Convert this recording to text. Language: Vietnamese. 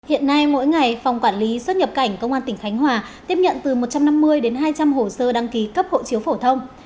hiện nay mỗi ngày phòng quản lý xuất nhập cảnh công an tỉnh khánh hòa tiếp nhận từ một trăm năm mươi đến hai trăm linh hồ sơ đăng ký cấp hộ chiếu phổ thông